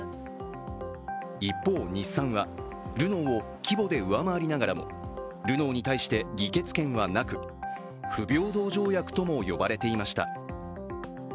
一方、日産はルノーを規模で上回りながらもルノーに対して議決権はなく不平等条約とも呼ばれていました。